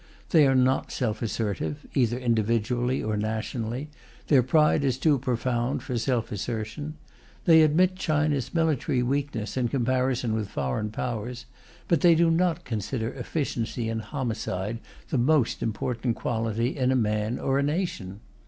They are not self assertive, either individually or nationally; their pride is too profound for self assertion. They admit China's military weakness in comparison with foreign Powers, but they do not consider efficiency in homicide the most important quality in a man or a nation.